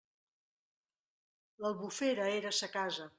L'Albufera era sa casa.